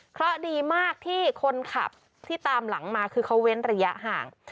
เพราะดีมากที่คนขับที่ตามหลังมาคือเขาเว้นระยะห่าง